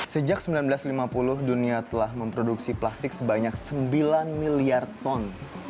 sejak seribu sembilan ratus lima puluh dunia telah memproduksi plastik sebanyak sembilan miliar ton